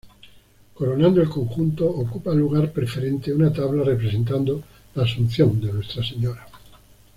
Coronando el conjunto, ocupa lugar preferente una tabla representando la Asunción de Nuestra Señora.